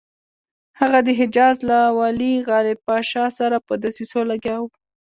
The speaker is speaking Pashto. هغه د حجاز له والي غالب پاشا سره په دسیسو لګیا وو.